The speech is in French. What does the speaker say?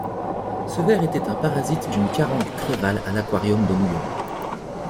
Ce ver était un parasite d'une Carangue crevalle à l'Aquarium de New York.